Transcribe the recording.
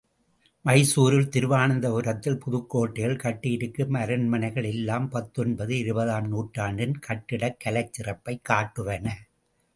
மைசூரில், திருவனந்தபுரத்தில், புதுக்கோட்டையில் கட்டியிருக்கும் அரண்மனைகள் எல்லாம் பத்தொன்பது, இருபதாம் நூற்றாண்டின் கட்டிடக் கலைச் சிறப்பைக் காட்டுவன.